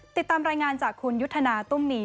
ติดตามรายงานจากคุณยุทธนาตุ้มมี